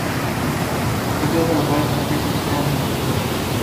The gills are white and free from the stem.